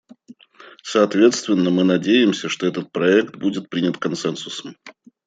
Соответственно мы надеемся, что этот проект будет принят консенсусом.